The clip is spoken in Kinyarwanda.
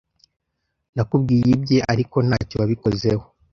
nakubwiye ibye ariko ntacyo wabikozeho